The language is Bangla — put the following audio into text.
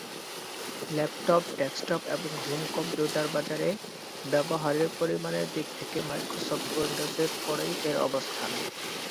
ল্যাপটপ, ডেস্কটপ, এবং হোম কম্পিউটার বাজারে ব্যবহারের পরিমাণের দিক থেকে মাইক্রোসফট উইন্ডোজের পরেই এর অবস্থান।